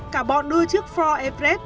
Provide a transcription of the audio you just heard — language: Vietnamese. cả bọn đưa chiếc ford everest